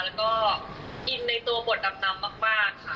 แล้วก็อินในตัวบทดำมากค่ะ